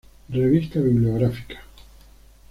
Revista bibliográfica.